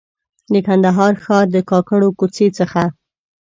د کندهار ښار د کاکړو کوڅې څخه.